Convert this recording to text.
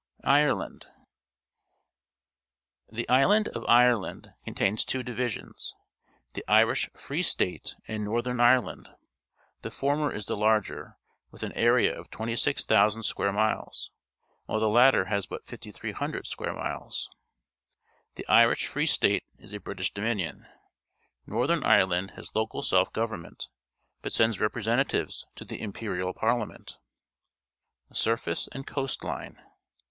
IRELAND The island of Ireland contains two di\'isions — the Irish Free State and Northern Ireland. The former is the larger, with an area of 26,600 square miles, while the latter has but 5,300 square miles. The Irish Free State is a British Dominion. Northern Ire land has local self government, but sends representatives to the Imperial Parliament. Surface and Coast Une.